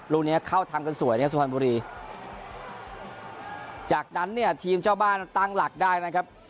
ลูกเนี้ยเข้าทำกันสวยเนี่ยสุพรรณบุรีจากนั้นเนี่ยทีมเจ้าบ้านตั้งหลักได้นะครับ